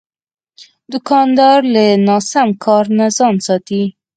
دوکاندار له ناسم کار نه ځان ساتي.